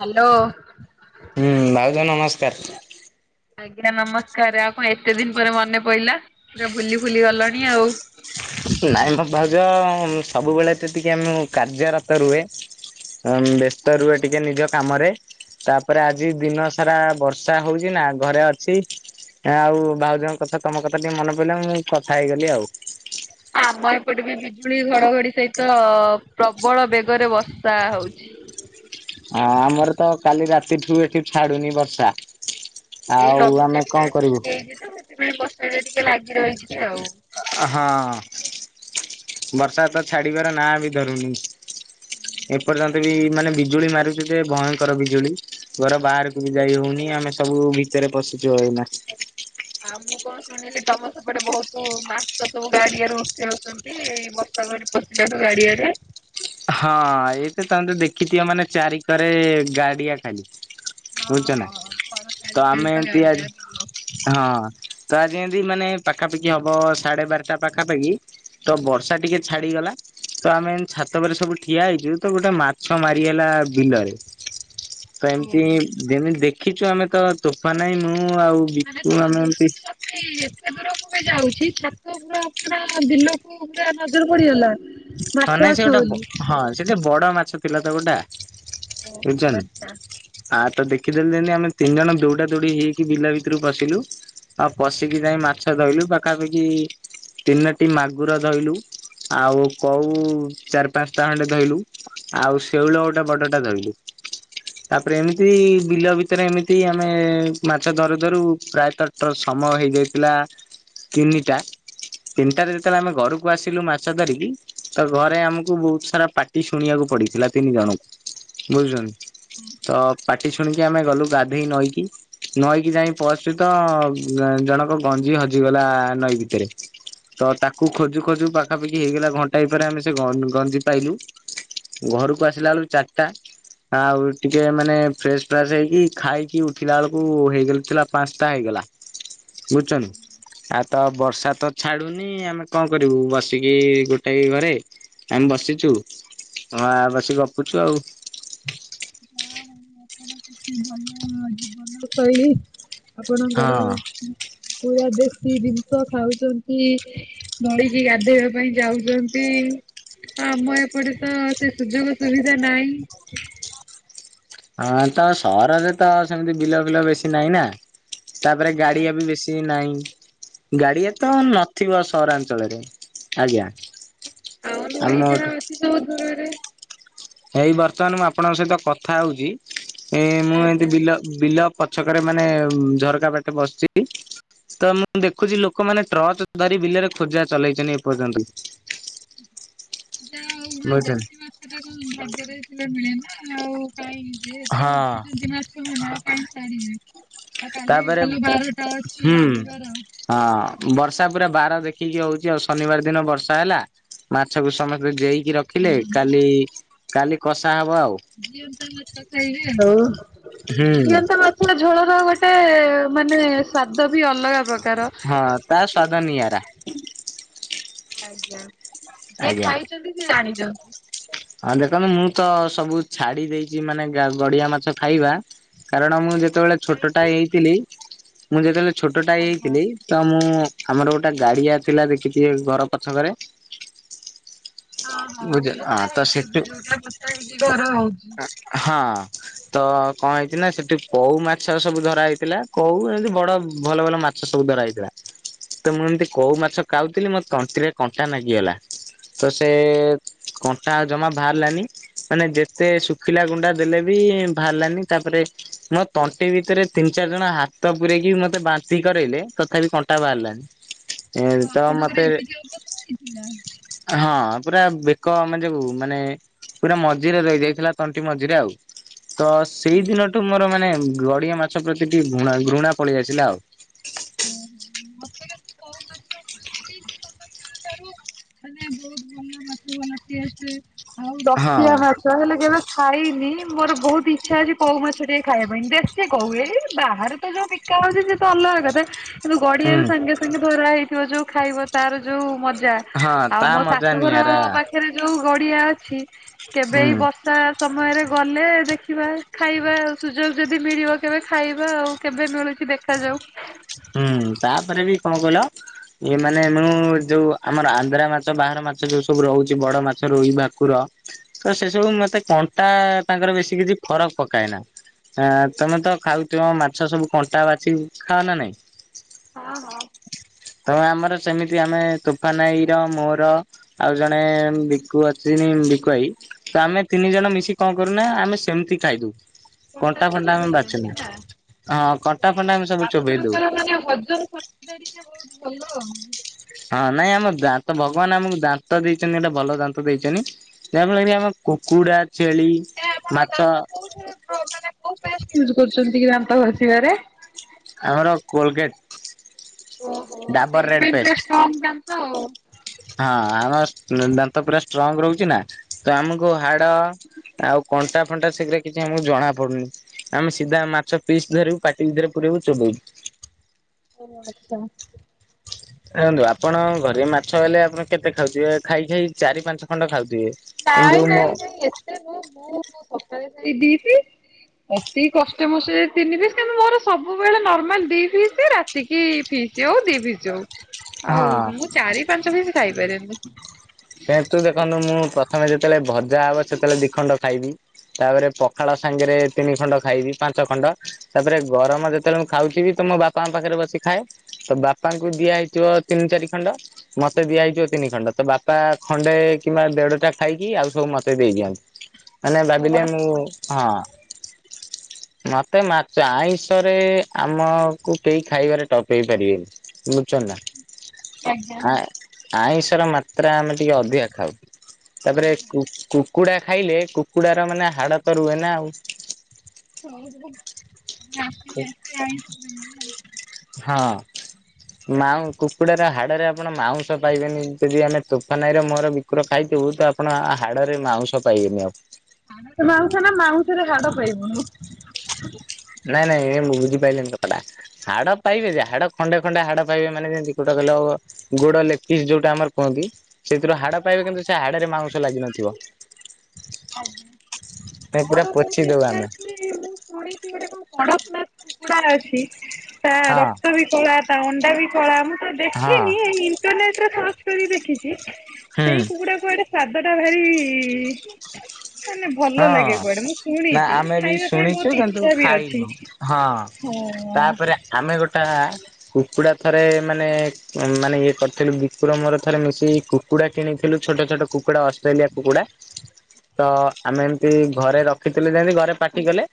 Hello. ହୁଁ ଭାଉଜ ନମସ୍କାରେ। ଆଜ୍ଞା ନମସ୍କାରେ ଆଉ କଣ ଏତେ ଦିନି ପରେ ମନେ ପଇଲା ପୁରା ଭୁଲି ଫୁଲି ଗଲଣି ଆଉ। ନାଇଁ ମ ଭାଉଜ ସବୁବେଳେ ତ ଟିକେ ମୁଁ କାର୍ଯ୍ୟରତ ରୁହେ। ବ୍ୟସ୍ତ ରୁହେ ଟିକେ ନିଜ କାମରେ। ତାପରେ ଆଜି ଦିନ ସାରା ବର୍ଷା ହଉଚି ନା ଘରେ ଅଛି। ଆଉ ଭାଉଜଙ୍କ କଥା ତମ କଥା ଟିକେ ମନେ ପଇଲା ମୁଁ କଥା ହେଇଗଲି ଆଉ। ଆମ ଏପଟେ ବି ବିଜୁଳି ଘଡଘଡି ସହିତ ପ୍ରବଳ ବେଗରେ ବର୍ଷା ହେଉଛି। ହଁ ଆମର ତ କାଲି ରାତିଠୁ ଏଠି ଛାଡୁନି ବର୍ଷା। ଏଇ ଆଉ ଆମେ ଲଘୁଚାପ କଣ ଟା କରିବୁ? ସୃଷ୍ଟି ହେଇଚି ତ ସେଥିପାଇଁ ବର୍ଷା ଟିକେ ଲାଗି ରହିଛି ଆଉ। ହଁ ବର୍ଷା ତ ଛାଡିବାର ନାଁ ବି ଧରୁନି। ଏପର୍ଯ୍ୟନ୍ତ ବି ମାନେ ବିଜୁଳି ମାରୁଛି ଯେ ଭୟଙ୍କର ବିଜୁଳି। ଘର ବାହାରକୁ ବି ଯାଇ ହୋଉନି ଆମେ ସବୁ ଭିତରେ ପସିଚୁ ଏଇନା। ଆଉ ମୁଁ କଣ ଶୁଣିଲି ତମ ସେପଟେ ବହୁତ ମାଛ ସବୁ ଗାଡିଆରୁ ଉଠି ଆଉଛନ୍ତି? ଏଇ ବର୍ଷାପଣି ପସିଲାରୁ ଗାଡିଆରେ। ହଁ ଏଇତ ତମେ ଦେଖିଥିବ ମାନେ ଚାରି କରେ ଗାଡିଆ ଟାଏ। ହଁ ହଁ ହଁ ସରକାରି ବିଲ୍ ତ ଏମତି ଆଜି ଗାଡ଼ିରା ଥିବ। ହଁ ତ ଆଜି ଏମତି ମାନେ ପାଖାପାଖି ହବ ସାଢେ ବାରଟା ପାଖାପାଖି ତ ବର୍ଷା ଟିକେ ଛାଡିଗଲା ତ ଆମେଏମି ଛା ତାପରେ ସବୁ ଠିଆ ହେଇଚୁ ତ ଗୋଟେ ମାଛ ମାରିଗଲା ବିଲରେ ତ ଏମତି ଯେମିତି ଦେଖିଚୁ ଆମେ ତ ତୋଫାନ ଭାଇ, ମୁଁ ଆଉ ବିକୁ ଆମେ ଏମତି ଏଇ ଏତେ ଦୂରକୁ ବି ଯାଉଛି ଛାତ ପୁରା ପୁରା ବିଲକୁ କୁ ପୁରା ନଜର ପଡ଼ିଗଲା? ହଁ ନାଇଁ ସିଏ ଗୋଟା ବ ହଁ ସିଏ ବଡ ମାଛ ଥିଲା ତ ଗୋଟା ଓହୋ ଆଚ୍ଛା। ବୁଝଚନ୍ତି। ଆର ତ ଦେଖିଦେଲୁ ଯେମତି ଆମେ ତିନି ଜଣ ଦୌଡା ଦୌଡି ହେଇକି ବିଲା ଭିତୁରୁକୁ ପଶିଲୁ। ଆଉ ପଶିକି ଯାଇଁ ମାଛ ଧଇଲୁ ପାଖାପାଖି ତିନୋଟି ମାଗୁର ଧଇଲୁ ଆଉ କୋଉ ଚାରି ପାଞ୍ଚଟା ଖଣ୍ଡେ ଧଇଲୁ ଆଉ ଶେଉଳ ଗୋଟେ ବଡଟା ଧଇଲୁ।। ତାପରେ ଏମିତି ବିଲ ଭିତରେ ଏମିତି ଆମେ ମାଛ ଧରୁ ଧରୁ ପ୍ରାୟତ ତ ସମୟ ହେଇଯାଇଥିଲା ତିନିଟା ତିନିଟାରେ ଯେତେବେଳେ ଆମେ ଘରକୁ ଆସିଲୁ ମାଛ ଧରିକି ତ ଘରେ ଆମକୁ ବୋହୁତ ସାରା ପାଟି ଶୁଣିବାକୁ ପଡିଥିଲା ତିନି ଜଣଙ୍କୁ ବୁଝୁଛନ୍ତି ତ ପାଟି ଶୁଣିକି ଆମେ ଗଲୁ ଗାଧେଇ ନଈକି ନଈକି ଯାଇଁ ପହଞ୍ଚିଚୁ ତ ଜଣକ ଗଞ୍ଜି ହଜିଗଲା ନଈ ଭିତରେ। ତ ତାକୁ ଖୋଜୁ ଖୋଜୁ ପାଖାପାଖି ହେଇଗଲା ଘ ତାଇ ପରେ ଆମେ ସେ ଗ ଗଞ୍ଜି ପାଇଲୁ ଘରକୁ ଆସିଲା ବେଳୁ ଚାରଟା। ଆଉ ଟିକେ ମାନେ ଫ୍ରେସ ଫ୍ରାସ୍ ହେଇକି ଖାଇକି ଉଠିଲା ବେଳକୁ ହେଇଯାଇଥିଲି ପାଞ୍ଚଟା ହେଇଗଲା। ବୁଝୁଚନ୍ତି ଆ ତ ବର୍ଷା ତ ଛାଡୁନି ଆମେ କଣ କରିବୁ ବସିକି ଗୋ ଟେ ଘରେ ଆମେ ବସିଚୁ ଆ ବସି ଗପୁଚୁ ଆଉ। ନା ଆପଣ କେତେ ଭଲ ଜୀବନ ଶୈଳୀ। ଆପଣଙ୍କର ହଁ ପୁରା ଦେଶୀ ଜିନଷ ଖାଉଚନ୍ତି। ନଈକି ଗାଧେଇବା ପାଇଁ ଯାଉଚନ୍ତି। ଆମ ଏପଟେ ତ ସେ ସୁଯୋଗ ସୁବିଧା ନାହିଁ। ହଁ ତ ସହରରେ ତ ସେମିତି ବିଲ ଫିଲ ବେଶି ନାହିଁ ନା। ତାପରେ ଗାଡିଆ ବି ବେଶୀ ନାହିଁ ଗାଡିଆ ତ ନଥିବ ସହରାଞ୍ଚଳରେ ଆଜ୍ଞା। ଆଉ ନଈ ଯାହା ଆମ ଅଛି ସବୁ ଦୂରରେ। ଏଇ ବର୍ତ୍ତମାନ ମୁଁ ଆପଣଙ୍କ ସହିତ କଥା ହୋଉଚି ଏଁ ମୁଁ ଏମତି ବିଲ ବିଲ ପଛକରେ ମାନେ ଝରକା ବାଟେ ବସଚି ତ ମୁଁ ଦେଖୁଚି ଲୋକମାନେ ଟ୍ରଚ ଧରି ବିଲରେ ଖୋଜା ଚଲେଇଚନ୍ତି ଏପର୍ଯ୍ୟନ୍ତ ବି। ଯାହୋଉ ମାନେ ବୁଝୁଛନ୍ତି। ଦେଶୀ ମାଛଟା କଣ ଜାଗରେ ଥିଲେ ମିଳେନା ଆଉ କାହିଁକି ଯେହେତୁ ଉଠିଚନ୍ତି ମାଛ [unintelligible] କାହିଁକି ତାଡିବେ। ଆ କାଲି ତାପରେ ଭଲ ବାରଟା ଅଛି ହୁଁ ରବିବାର। ହଁ ବର୍ଷା ପୁରା ବାର ଦେଖିକି ହୋଉଚି ଆଉ ଶନିବାର ଦିନ ବର୍ଷା ହେଲା ମାଛକୁ ସମସ୍ତେ ଜେଇକି ରଖିଲେ କାଲି କାଲି କଷା ହବ ଆଉ।। ଜିଅନ୍ତା ମାଛ ଖାଇବେ ହୋଉ ହୁଁ ଜିଅନ୍ତା ମା କୁଡା ଝୋଳର ଗୋଟେ ମାନେ ସ୍ଵାଦ ବି ଅଲଗା ପ୍ର ହଁ ତା ସ୍ଵାଦ ନିଆରା। ଆଜ୍ଞା ଯିଏ ଖାଇଚନ୍ତି ସିଏ ଜାଣିଚନ୍ତି। ଆଉ ଦେଖନ୍ତୁ ମୁଁ ତ ସବୁ ଛାଡି ଦେଇଚି ମାନେ ଗା ଗଡିଆ ମାଛ ଖାଇବା କାରଣ ମୁଁ ଯେ ଯେତେବେଳେ ଛୋଟଟା ହେଇଥିଲି ମୁଁ ଯେତେବେଳେ ଛୋଟଟା ହେଇଥିଲି ତ ମୁଁ ଆମର ଗୋଟେ ଗାଡିଆ ଥିଲା ଦେଖିଥିବେ ଘର ପଛକରେ ଅହଁ ବୁଝି ହଁ ପୋତା ତ ହେଇଚି ଏବେ ସେଠୁ ଯୋଉଟା ପୋତା ହେଇକି ଘର ହୋଉଚି। ହଁ। ତ କଣ ହେଇଛି ନା ସେଠି କଉ ମାଛ ସବୁ ଧରା ହେଇଥିଲା କଉ ଏମିତି ବଡ ଭଲ ଭଲ ମାଛ ସବୁ ଧରାହେଇଥିଲା ତ ମୁଁ ଏମିତି କୋଉ ମାଛ ଖାଉଥିଲି ମୋ ତଣ୍ଟିରେ କଣ୍ଟା ମାଗିଗଲା ତ ସେ କଣ୍ଟା ଜମା ବାହାରିଲାନି ମାନେ ଯେତେ ଶୁଖିଲା ଗୁଣ୍ଡା ଦେଲେ ବି ବାହାରିଲାନି ତାପରେ ମୋ ତଣ୍ଟି ଭିତରେ ତିନି ଚାରି ଜଣ ହାତ ପୁରେଇକି ମତେ ବାନ୍ତି କରେଇଲେ ତଥାପି କଣ୍ଟା ବାହାରିଲାନି। ଏ ଓ ତ ମତେ ଆପଣଙ୍କର ଏମିତି ଅବସ୍ଥା ହେଇଥିଲା? ହଁ ପୁରା ବେକ ମାନେ ମାନେ ପୁରା ମଝିରେ ରହିଯାଇଥିଲା ତଣ୍ଟି ମଝିରେ ଆଉ ତ ସେଇ ଦିନ ତ ମୋର ମାନେ ଗଡିଆ ମାଛ ପ୍ରତି ଟିକେ ଘୃଣା ଘୃଣା ପଳେଇ ଆସିଲା ଆଉ। ହୁଁ ହୁଁ ମତେ କଉ ମାଛ [unintelligible] ମାନେ ବହୁତ ଭଲ ମାଛ ଭଲ ଟେଷ୍ଟ ଆଉ ହଁ [unintelligible] କଉ ହେଲେ କେବେ ଖାଇନି ମୋର ବହୁତ ଇଚ୍ଛା ଅଛି କଉ ମାଛ ଟିକେ ଖାଇବା ପାଇଁ ଦେଶୀ କଉ ଏଇ ବାହାରେ ଯୋଉ ବିକା ହଉଚି ସେ ତ ଅଲଗା କଥା। କିନ୍ତୁ ହୁଁ ଗଡିଆରେ ସାଙ୍ଗେ ସାଙ୍ଗେ ଧରା ହେଇଥିବ ଯୋଉ ଖାଇବ ତାର ଯୋଉ ମ ଜା ହଁ ଆଉ ତା ମୋ ମଜା ଶାଶୁଘର ନିଆରା ପାଖରେ ଯୋଉ ଗଡିଆ ଅଛି କେବେ ଏଇ ହୁଁ। ବଷ ବର୍ଷା ସମୟରେ ଗଲେ ଦେଖିବା ଖାଇବା ଆଉ ସୁଯୋଗ ଯଦି ମିଳିବ କେବେ ଖାଇବା ଆଉ। କେବେ ମିଳୁଛି ଦେଖାଯାଉ। ହୁଁ ତାପରେ ବି କଣ କହିଲ? ଏ ମାନେ ମୁଁ ଯୋଉ ଆମର ଆନ୍ଧ୍ରା ମାଛ ବାହାର ମାଛ ଯୋଉ ସବୁ ରହୁଚି ବଡ ମାଛ ରୋହି, ଭାକୁର ତ ସେ ସବୁ ମତେ କଣ୍ଟା ତାଙ୍କର ବେଶୀ କିଛି ଫରକ୍ ପକାଏ ନା। ହଁ ତମେ ତ ଖାଉଥିବ ମାଛ ସବୁ କଣ୍ଟା ବାଛିକି ଖାଅ ନା ନାଇଁ? ହଁ ହଁ। ତ ଆମର ସେମିତି ଆମେ ତୋଫାନ ଆଈ ର ମୋର ଆଉ ଜଣେ ବିକୁ ଅଛିନି ବିକୁଆଇ ତ ଆମେ ତିନି ଜଣ ମିଶିକି କଣ କରୁନା ଆମେ ସେମିତି ଖାଇଦଉ। କଣ୍ଟା କଣ୍ଟାସହ ଫଣ୍ଟା ଆମେ ଚୋବେଇ ବାଛୁନା ଦିଅନ୍ତି ନା ହଁ କଣ୍ଟା ନାଇଁ ଫଣ୍ଟା ଆମେ ସବୁ ଆପ ଚୋବେଇ ଦଉ ଆପଣଙ୍କର ମାନେ ହଜମ ଶକ୍ ଦାନ୍ତ ହେରିକା ବହୁତ ଭଲ ଆଉ। ହଁ ନାଇଁ ଆମ ଦାନ୍ତ ଭଗବାନ ଆମକୁ ଦାନ୍ତ ଦେଇଚନି ଏଟେ ଭଲ ଦାନ୍ତ ଦେଇଚନି। ସେଇଆ ପା ମୁଁ କହିନି ଆମେ କୁକୁଡା, ଛେଳି, ମାଛ। ଆପଣ ମାନେ କୋଉ ପେଷ୍ଟ୍ ୟୁଜ୍ କରୁଚନ୍ତି କି ଦାନ୍ତ ଘସିବାରେ? ଆମର କୋଲଗେଟ୍। ଓହୋ ଡାବର ରେଡ୍ ସେଇଥିପାଇଁ ପୁରା ପେଷ୍ଟ ଷ୍ଟ୍ରଙ୍ଗ ଦାନ୍ତ ଆଉ। ହଁ ଆମ ଦାନ୍ତ ପୁରା ଷ୍ଟ୍ରଙ୍ଗ ରହୁଚି ନା ତ ଆମକୁ ହାଡ ଆଉ କଣ୍ଟା ଫଣ୍ଟା ସେଗୁଡା କିଛି ଆମକୁ ଜଣା ପଡୁନି। ଆମେ ସିଧା ମାଛ ପିସ୍ ଧରିବୁ ପାଟି ଭିତରେ ପୁରେଇବୁ ଚୋବେଇବୁ। ଓ ଆଚ୍ଛା। ଦେଖନ୍ତୁ ଆପଣଙ୍କ ଘରେ ମାଛ ହେଲେ ଆପଣ କେତେ ଖାଉଥିବେ ଖାଇ ଖାଇ ଚାରି ପାଞ୍ଚ ଖଣ୍ଡ ଖାଉଥିବେ। ନାଇଁ କିନ୍ତୁ ମୋ ନାଇଁ ନାଇଁ ଏତେ ନୁହୁ ମୁଁ ସକାଳେ [inaudible] ଦିଟି ଅତି କଷ୍ଟ ମୋ ସେ ତିନି ପିସ୍ କିନ୍ତୁ ମୋର ସବୁବେଳେ ନର୍ମାଲ ଦି ପିସ୍ ରା ଏତିକି ଫିସ୍ ଆଉ ଦି ଫିସ୍ ହଉ ହଁ ଆଉ ମୁଁ ଚାରି ପାଞ୍ଚ ପିସ୍ ଖାଇପାରେନି। [unintelligible] ଦେଖନ୍ତୁ ମୁଁ ପ୍ରଥମେ ଯେତେବେଳେ ଭଜା ହବ ସେତେବେଳେ ଦିଖଣ୍ଡ ଖାଇବି। ତାପରେ ପଖାଳ ସାଙ୍ଗେରେ ତିନି ଖଣ୍ଡ ଖାଇବି ପାଞ୍ଚ ଖଣ୍ଡ ତାପରେ ଗରମ ଯେତେବେଳେ ମୁଁ ଖାଉଥିବି ତ ମ ବା ଙ୍କା ପାଖରେ ବସି ଖାଏ। ତ ବାପାଙ୍କୁ ଦିଆହେଇଥିବ ତିନି ଚାରି ଖଣ୍ଡ ମତେ ଦିଆହେଇଥିବ ତିନି ଖଣ୍ଡ ତ ବା ବା ଖଣ୍ଡେ କିମ୍ବା ଦେଡ ଟା ଖାଇକି ଆଉ ସବୁ ମତେ ଦେଇ ଦିଅନ୍ତି। ମାନେ ଓ ଭାବିଲେ ଆ ମୁଁ ହଁ। [inaudible] ମତେ ମାଛ ଆଇଁଷ ରେ ଆମକୁ କେହି ଖାଇବାରେ ଟପ ହେଇ ପାରିବେନି। ବୁଝୁଛ ନା ଆଁ ଆଇଁଷର ମାତ୍ରା ଆମେ ଟିକେ ଅଧିକା ଖାଉ। ତାପରେ କୁକ୍ କୁକୁଡା ଖାଇଲେ କୁକୁଡାର ମାନେ ହାଡ ତ ରୁହେ ନା ଆଉ। [unintelligible] ହଁ। ମାଉ କୁକୁଡାର ହାଡରେ ଆପଣ ମାଉଁସ ପାଇବେନି। ଯଦି ଆମେ ତୋଫାନ ଭାଇର ମୋର ବିକୁର ଖାଇଥିବୁ, ତ ଆପଣ ହାଡ଼ ରେ ମାଉଁସ ପାଇବେନି ଆଉ। ମାଉଁସ ନା ମାଉଁସରେ ହାଡ ପାଇବୁନୁ। ନାଇଁ ନାଇଁ ଏ ମୁଁ ବୁଝି ପାଇଲେଣି କଥାଟା। ହାଡ ପାଇବେ ଯେ ହାଡ ଖଣ୍ଡେ ଖଣ୍ଡେ ହାଡ ପାଇବେ ମାନେ ଯେମିତି କୋଉଟା କହିଲ। ଗୋଡ ଲେଗ୍ ଫିସ୍ ଯୋଉଟା ଆମର କୁହନ୍ତି। ସେଥିରୁ ହାଡ଼ ପାଇବେ କିନ୍ତୁ ସେ ହାଡ ରେ ମାଉସ ଲାଗିିନଥିବ। ଆଜ୍ଞା। ନାଇ ପୁରା ପୋଛିଦୋଉ ଆମେ। ମୁଁ ଶୁଣିଛି ଗୋଟେ କଣ କଡ଼କନାଥ କୁକୁଡା ଅଛି। ତା ହଁ ରକ୍ତ ବି କଳା, ତା ଅଣ୍ଡା ବି କଳା। ମୁଁ ତ ହଁ ଦେଖିନି ଇଣ୍ଟରନେଟ୍ ରେ ସର୍ଚ୍ଚ କରି ଦେଖିଛି। ହଁ ସେଇ କୁକୁଡାକୁ କୁଆଡେ ସ୍ଵାଦ ଟା ଭାରି ମାନେ ଭଲ ଲାଗେ କୁଆଡେ ମୁଁ ନା ଶୁଣଛି ଆମେ ବି ଖାଇବା ପାଇଁ ଶୁଣିଛୁ ବହୁତ କିନ୍ତୁ ଇଚ୍ଛା ବି ଅଛି। ଖାଇନୁ ହଁ। ଓ ତାପରେ ଆମେ ଗୋଟା କୁକୁଡ଼ା ଥରେ ମାନେ ମାନେ ଇଏ କରିଥିଲୁ। ବିକୁର ମୋର ଥରେ ମିଶିକି କୁକୁଡ଼ା କିଣିଥିଲୁ ଛୋଟ ଛୋଟ କୁକୁଡ଼ା ଅଷ୍ଟ୍ରେଲିଆ କୁକୁଡ଼ା ତ ଆମେ ଏମତି ଘରେ ରଖିଥିଲୁ ଯେମିତି ଘରେ ପାଟି କଲେ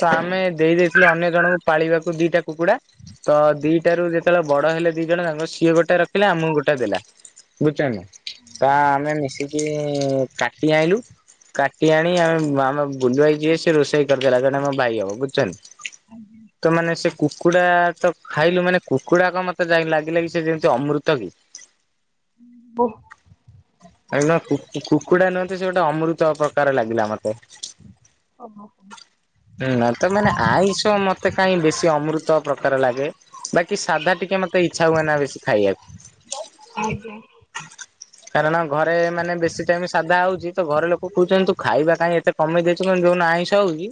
ତ ଆମେ ଦେଇ ଦେଇଥିଲୁ ଅନ୍ୟ ଜଣଙ୍କୁ ପାଳିବାକୁ ଦିଟା କୁକୁଡା। ତ ଦିଟାରୁ ଯେତେବେଳେ ବଡ ହେଲେ ଦି ଜଣ ତାଙ୍କ ସିଏ ଗୋଟେ ରଖିଲେ ଆମକୁ ଗୋଟେ ଦେଲା। ବୁଝୁଚ ନା ତା ଆମେ ମିଶିକି କାଟି ଆଇଲୁ। କାଟି ଆଣି ଆମେ ଆମ ବୁଲୁ ଭାଇ ଯିଏ ସେ ରୋଷେଇ କରିଦେଲା। ଜଣେ ଆମ ଭାଇ ହବ ବୁଝୁଛ ନା? ତମାନେ ସେ କୁକୁଡା ତ ଖାଇଲୁ ମାନେ କୁକୁଡା କ ମତେ ଯାଇ ଲାଗିଲାଗି ସେ ଯେମିତି ଅମୃତ କି? [unintelligible] ଆ କୁ କୁକୁଡା ନୁହନ୍ତି ସେ ଗୋଟେ ଅମୃତ କ୍ରର ଲାଗିଲା ମତେ। ତ ମାନେ ଆଇଁଷ ମତେ କାହିଁ ବେଶୀ ଅମୃତ ପ୍ରକାର ଲାଗେ। ବାକି ସାଧା ଟିକେ ମତେ ଇଚ୍ଛା ହୁଏ ନା ବେଶୀ ଖାଇବାକୁ। ଆଜ୍ଞା। କାରଣ ଘରେ ମାନେ ବେଶୀ ଟାଇମ ସାଧା ହଉଛି ତ ଘରେ ଲୋ ଦେଖୁଛନ୍ତି ତୁ ଖାଇବା କାହିଁ ଏତେ କମେଇ ଦେଇଛୁ କିନ୍ତୁ ଯୋଉ ଦିନ ଆଇଁସ ହଉଛି,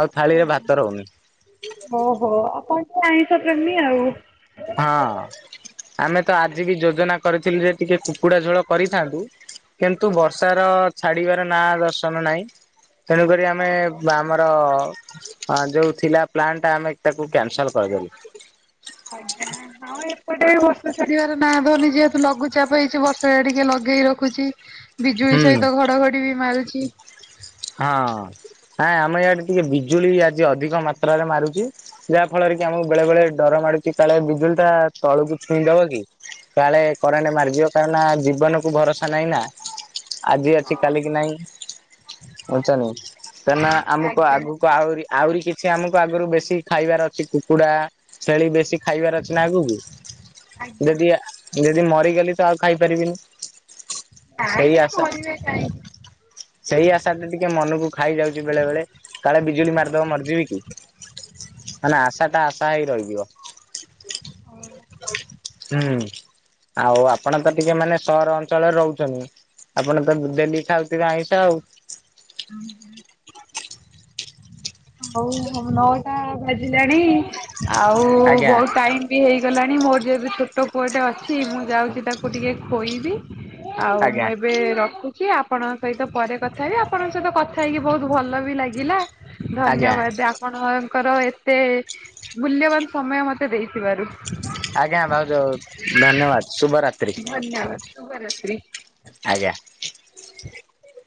ଆଉ ଥାଳିରେ ଭାତ ରହୁନି। ଓହୋ ଆପଣ ଟିକେ ଆଇଁଷ ପ୍ରେମୀ ଆଉ। ହଁ, ଆମେ ତ ଆଜି ବି ଯୋଜନା କରିଥିଲୁ ଯେ ଟିକେ କୁକୁଡ଼ା ଝୋଳ କରିଥାନ୍ତୁ। କିନ୍ତୁ ବର୍ଷାର ଛାଡିବାର ନାଁ ଦର୍ଶନ ନାହିଁ। ତେଣୁକରି ଆମେ ବା ଆମର ହଁ, ଯୋଉ ଥିଲା ପ୍ଲାନ୍ ଟା ଆମେ ତାକୁ କ୍ୟାନସଲ କରିଦେଲୁ। ଆଜ୍ଞା, ହଁ ଏପଟେ ବି ବର୍ଷା ଛାଡ଼ିବାର ନା ଦଉନି ଯେହେତୁ ଲଘୁଚାପ ହେଇଛି ବର୍ଷା ଟିକେ ଲଗେଇ ରଖୁଛି ବିଜୁଳି ହୁଁ। ସହିତ ଘଡଘଡି ବି ମାରୁଛି। ହଁ ଆଁ ଆମ ଇଆଡେ ଟିକେ ବିଜୁଳି ଆଜି ଅଧିକ ମାତ୍ରାରେ ମାରୁଛି। ଯାହା ଫଳରେ କି ଆମକୁ ବେଳେ ବେଳେ ଡର ମାଡୁଛି। କାଳେ ବିଜୁଳି ଟା ତଳକୁ ଛୁଇଁ ଦବ କି? କାଳେ କରେଣ୍ଟ ମାରିଯିବ କାହିଁକ ନା ଜୀବନକୁୁ ଭରସା ନାହିଁ ନା ଆଜି ଅଛି କାଲ କି ନାଇଁ ବୁଝୁଛନ୍ତି କାହିଁନା ଆମକୁ ଆଗକୁ ଆହୁରି ଆହୁରି କିଛି ଆମକୁ ଆଗରୁ ବେଶୀ ଖାଇବାର ଅଛି କୁକୁଡା ଛେଳି ବେଶୀ ଖାଇବାର ଅଛି ନା ଆଗକୁ ଯଦି ଯଦି ମରିଗଲି ତ ଆଉ ଖାଇପାରିବିନି। ନାଇଁ ସେଇ ରେ ଆଶା ମରିବେ କାହିଁକି। ସେଇ ଆଶା ଟେ ଟିକେ ମନକୁ ଖାଇ ଯାଉଛି ବେଳେ ବେଳେ କାଳେ ବିଜୁଳି ମାରିଦବ ମରିଯିବି କି। ମାନେ ଆଶା ଟା ଆଶା ହେଇ ରହିଯିବ ହୁଁ ଆଉ ଆପଣ ତ ଟିକେ ମାନେ ସହର ଅଞ୍ଚଳରେ ରହୁଛନ୍ତି ଆପଣ ତ ଡେଲି ଖାଉଥିବେ ଆଇଁଷ [unintelligible] ହଉ ହଉ ନଅଟା ବାଜିଲାଣି ଆଉ ଆଜ୍ଞା ବହୁତ ଟାଇମ ବି ହେଇଗଲାଣି ମୋର ଯେବେ ଛୋଟ ପୁଅଟେ ଅଛି ମୁଁ ଯାଉଛି ତାକୁ ଟିକେ ଖୋଇବି ଆଉ ଆଜ୍ଞା ମୁଁ ଏବେ ଏବେ ରଖୁଛି ଆପଣଙ୍କ ସହିତ ପରେ କଥା ହେବି ଆପଣଙ୍କ ସହିତ କଥା ହେଇକି ବହୁତ ଭଲ ବି ଲାଗିଲା। ଆଜ୍ଞା ଧନ୍ୟବାଦ ଆପଣଙ୍କର ଏତେ ମୂଲ୍ୟବାନ ସମୟ ମତେ ଦେଇଥିବାରୁ। ଆଜ୍ଞା ଭାଉଛ ଧନ୍ୟବାଦ ଶୁଭରାତ୍ରି। ଧନ୍ୟବାଦ ଶୁଭରାତ୍ରି। ଆଜ୍ଞା